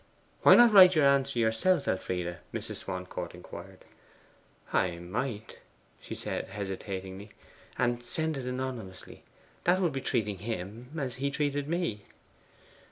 'Why not write your answer yourself, Elfride?' Mrs. Swancourt inquired. 'I might,' she said hesitatingly; 'and send it anonymously: that would be treating him as he has treated me.